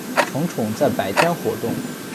成虫在白天活动。